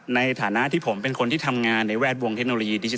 ในฐานะที่ผมเป็นคนที่ทำงานในแวดวงเทคโนโลยีดิจิท